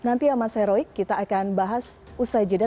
nanti ya mas heroik kita akan bahas usai jeda